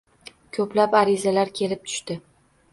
Ko'plab arizalar kelib tushdi.